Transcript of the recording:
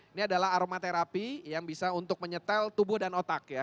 ini adalah aromaterapi yang bisa untuk menyetel tubuh dan otak ya